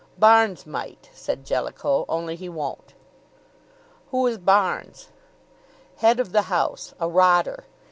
"Barnes might," said Jellicoe, "only he won't." "Who is Barnes?" "Head of the house a rotter.